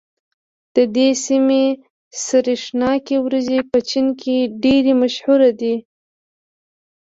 د دې سيمې سرېښناکې وريجې په چين کې ډېرې مشهورې دي.